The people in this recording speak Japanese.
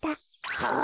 はあ？